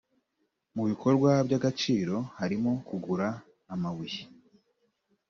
mu bikorwa by’ agaciro harimo kugura amabuye